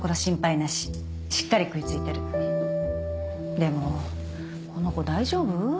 でもこの子大丈夫？